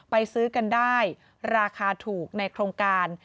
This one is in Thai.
ซื้อกันได้ราคาถูกในโครงการ